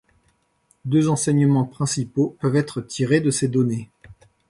Deux enseignements principaux peuvent être tirés de ces données.